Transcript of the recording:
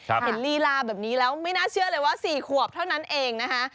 ลีลาแบบนี้แล้วไม่น่าเชื่อเลยว่า๔ขวบเท่านั้นเองนะคะ